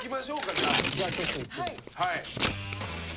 じゃあちょっといってみて。